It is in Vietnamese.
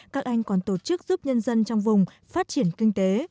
các anh còn tổ chức giúp nhân dân trong vùng phát triển kinh tế